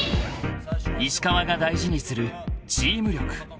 ［石川が大事にするチーム力］